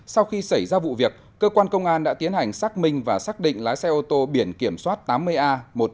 sau khi xảy ra vụ việc cơ quan công an đã tiến hành xác minh và xác định lái xe ô tô biển kiểm soát tám mươi a một mươi một nghìn sáu trăm chín mươi chín